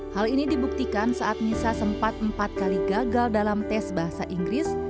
hal ini dibuktikan saat nisa sempat empat kali gagal dalam tes bahasa inggris